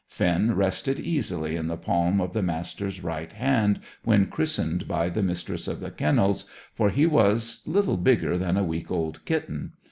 Finn rested easily in the palm of the Master's right hand when christened by the Mistress of the Kennels, for he was little bigger than a week old kitten.